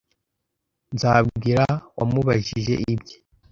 Nzabwira wamubajije ibye.